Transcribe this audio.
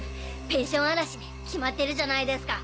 ペンション荒らしに決まってるじゃないですか。